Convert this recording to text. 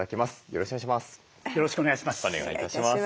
よろしくお願いします。